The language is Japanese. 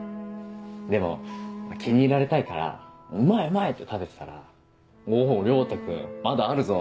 でも気に入られたいからうまいうまいって食べてたら「お良太君まだあるぞ」